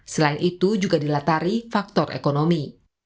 selain itu juga dilatari faktor ekonomi